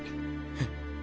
フッ。